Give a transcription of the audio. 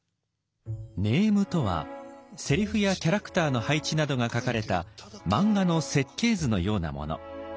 ネームとはセリフやキャラクターの配置などが書かれた漫画の設計図のようなもの。